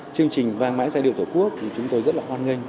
chương trình vang mãi giai điệu tổ quốc thì chúng tôi rất là hoan nghênh